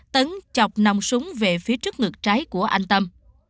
tấn chọc nòng súng về phía trước ngược trái của anh tâm